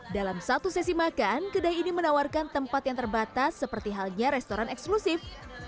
dalam satu sesi makan kedai ini menawarkan tempat yang terbatas seperti halnya restoran eksklusif